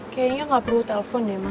kayaknya gak perlu telepon deh ma